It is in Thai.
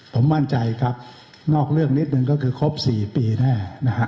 ผมมั่นใจครับนอกเรื่องนิดนึงก็คือครบ๔ปีแน่นะฮะ